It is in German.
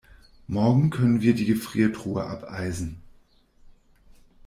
Morgen können wir die Gefriertruhe abeisen.